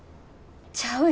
ちゃうよ。